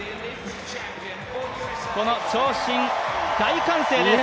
この長身、大歓声です。